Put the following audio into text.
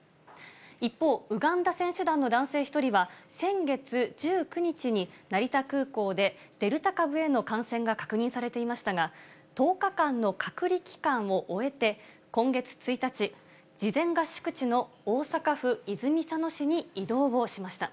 一方、ウガンダ選手団の男性１人は、先月１９日に成田空港で、デルタ株への感染が確認されていましたが、１０日間の隔離期間を終えて、今月１日、事前合宿地の大阪府泉佐野市に移動をしました。